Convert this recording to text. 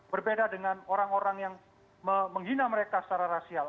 berbeda dengan orang orang yang menghina mereka secara rasial